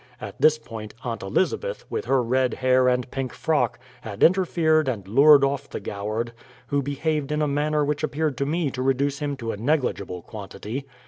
At this point Aunt Elizabeth, with her red hair and pink frock, had interfered and lured off the Goward, who behaved in a manner which appeared to me to reduce him to a negligible quantity.